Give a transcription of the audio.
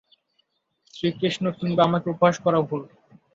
শ্রীকৃষ্ণ কিংবা আমাকে উপহাস করা ভুল।